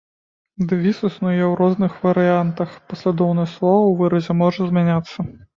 Дэвіз існуе ў розных варыянтах, паслядоўнасць словаў у выразе можа змяняцца.